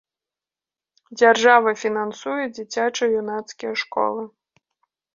Дзяржава фінансуе дзіцяча-юнацкія школы.